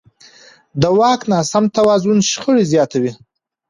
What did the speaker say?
د واک ناسم توازن شخړې زیاتوي